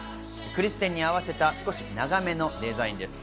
クリステンに合わせた少し長めのデザインです。